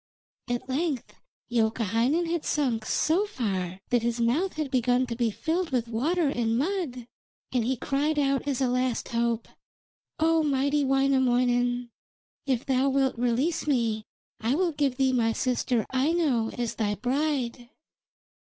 At length Youkahainen had sunk so far that his mouth began to be filled with water and mud, and he cried out as a last hope: 'O mighty Wainamoinen, if thou wilt release me I will give thee my sister Aino as thy bride.'